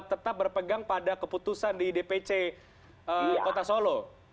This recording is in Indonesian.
tetap berpegang pada keputusan di dpc kota solo